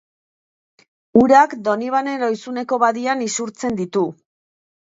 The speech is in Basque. Urak Donibane Lohizuneko badian isurtzen ditu.